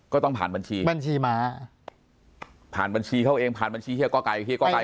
ก็ต้องผ่านบัญชีบัญชีหมาผ่านบัญชีเขาเองผ่านบัญชีเฮียก้อกาย